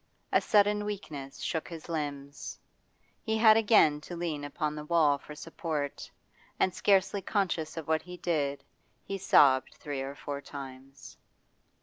A sudden weakness shook his limbs; he had again to lean upon the wall for support, and, scarcely conscious of what he did, he sobbed three or four times.